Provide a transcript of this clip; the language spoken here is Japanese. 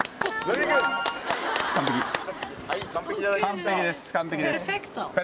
完璧です完璧です。